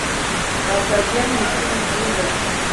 ntabwo yagiye mwishuri ryiza.